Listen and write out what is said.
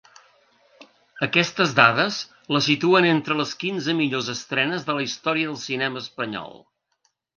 Aquestes dades la situen entre les quinze millors estrenes de la història del cinema espanyol.